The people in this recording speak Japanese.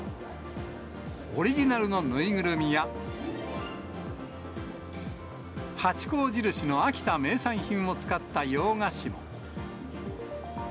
オリジナルの縫いぐるみや、ハチ公印の秋田名産品を使った洋菓子も。